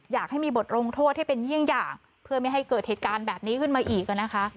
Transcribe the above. อยากให้มีบทลงโทษให้เป็นเยี่ยงอย่างเพื่อไม่ให้เกิดเหตุการณ์แบบนี้ขึ้นมาอีกนะคะ